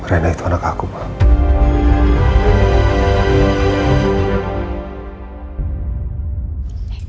reda itu anak aku pak